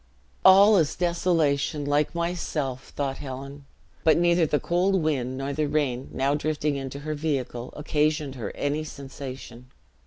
"All is desolation, like myself!" thought Helen; but neither the cold wind, nor the rain, now drifting into her vehicle, occasioned her any sensation.